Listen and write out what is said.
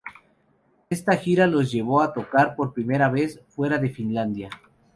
Esta gira los llevo a tocar por primera vez fuera de Finlandia.